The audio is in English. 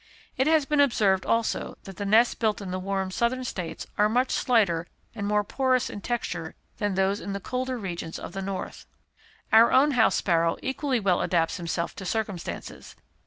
It has been observed also, that the nests built in the warm Southern States are much slighter and more porous in texture than those in the colder regions of the north. Our own house sparrow equally well adapts himself to circumstances.